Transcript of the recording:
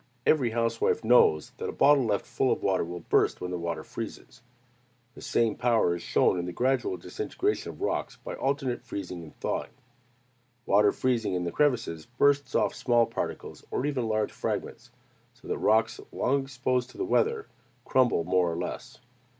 Every housewife knows that a bottle left full of water will burst when the water freezes. The same power is shown in the gradual disintegration of rocks by alternate freezing and thawing. Water freezing in the crevices bursts off small particles, or even large fragments; so that rocks long exposed to the weather, crumble more or less.